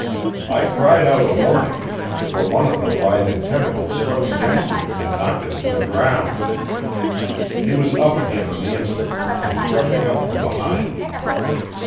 I cried out a warning, but one of the writhing tentacles swept against him and knocked him to the ground. He was up again on the instant and came rushing up from behind.